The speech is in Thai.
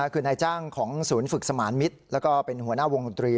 คือในจ้างของศูนย์ฝึกสมารมมิดและเป็นหัวหน้าวงตรี